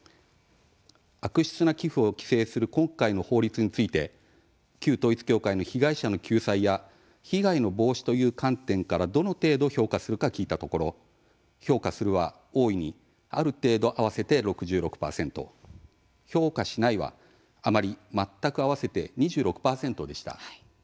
悪質な寄付を規制する今回の法律について旧統一教会の被害者の救済や被害の防止という観点からどの程度評価するか聞いたところ評価するは大いに、ある程度合わせて６６％評価しないは、あまり、全く合わせて２６％でした。